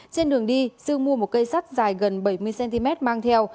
trên đường đi sư mua một cây sắt dài gần bảy mươi cm mang theo